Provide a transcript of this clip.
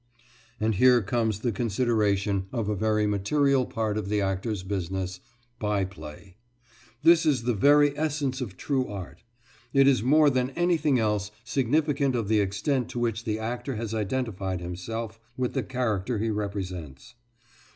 And here comes the consideration of a very material part of the actor's business by play. This is of the very essence of true art. It is more than anything else significant of the extent to which the actor has identified himself with the character he represents.